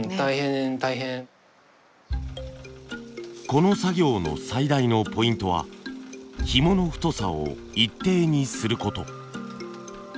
この作業の最大のポイントはひもの太さを一定にする事。